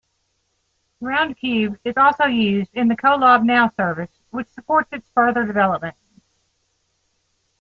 Roundcube is also used in the Kolab Now service which supports its further development.